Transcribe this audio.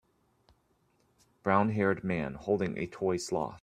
Brownhaired man holding a toy sloth.